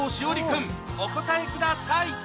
君お答えください